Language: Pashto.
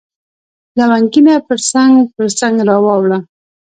لونګینه پرڅنګ، پرڅنګ را واوړه